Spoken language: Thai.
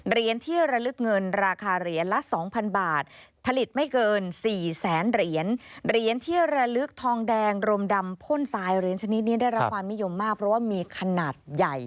เหรียญที่ระลึกเงินราคาเหรียญละ๒๐๐บาทผลิตไม่เกิน๔แสนเหรียญเหรียญที่ระลึกทองแดงรมดำพ่นทรายเหรียญชนิดนี้ได้รับความนิยมมากเพราะว่ามีขนาดใหญ่